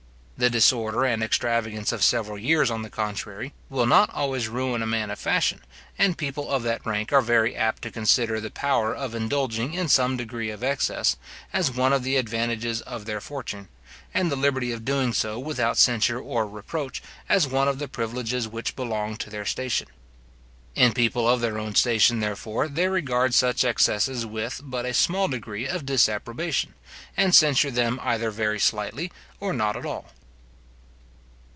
The disorder and extravagance of several years, on the contrary, will not always ruin a man of fashion; and people of that rank are very apt to consider the power of indulging in some degree of excess, as one of the advantages of their fortune; and the liberty of doing so without censure or reproach, as one of the privileges which belong to their station. In people of their own station, therefore, they regard such excesses with but a small degree of disapprobation, and censure them either very slightly or not at all.